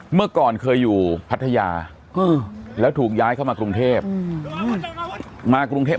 เมื่อก่อนเคยอยู่พัทยาแล้วถูกย้ายเข้ามากรุงเทพมากรุงเทพ